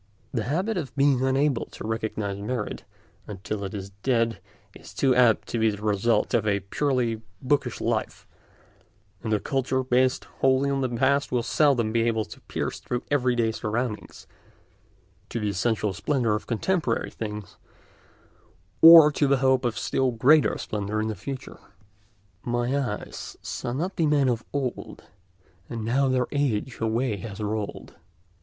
The habit of being unable to recognise merit until it is dead is too apt to be the result of a purely bookish life, and a culture based wholly on the past will seldom be able to pierce through everyday surroundings to the essential splendour of contemporary things, or to the hope of still greater splendour in the future. "My eyes saw not the men of old; And now their age away has rolled.